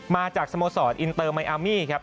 มาจากสโมสรอินเตอร์ไมอามี่ครับ